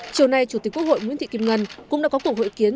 chiều nay chủ tịch quốc hội nguyễn thị kim ngân cũng đã có cuộc hội kiến